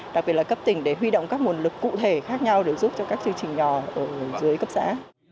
đặc biệt là cấp tỉnh để huy động các nguồn lực cụ thể khác nhau để giúp cho các chương trình nhỏ ở dưới cấp xã